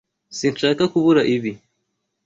Sinshaka kubura ibi.